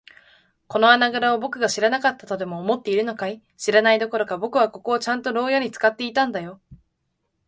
この穴ぐらをぼくが知らなかったとでも思っているのかい。知らないどころか、ぼくはここをちゃんと牢屋ろうやに使っていたんだよ。